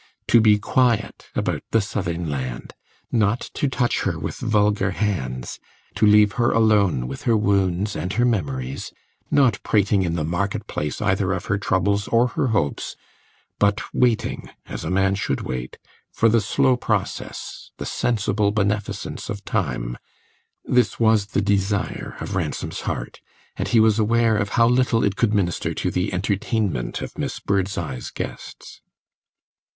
To be quiet about the Southern land, not to touch her with vulgar hands, to leave her alone with her wounds and her memories, not prating in the market place either of her troubles or her hopes, but waiting as a man should wait, for the slow process, the sensible beneficence, of time this was the desire of Ransom's heart, and he was aware of how little it could minister to the entertainment of Miss Birdseye's guests.